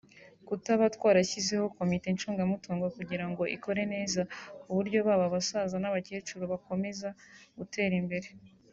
tukaba twarashyizeho komite ncungamutungo kugira ngo ikore neza ku buryo baba abasaza n’abakecuru bakomeze gutera imbere